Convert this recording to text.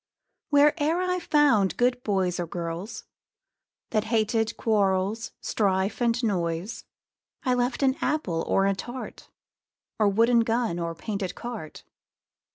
Where e'er I found good girls or boys, That hated quarrels, strife and noise, I left an apple, or a tart, Or wooden gun, or painted cart.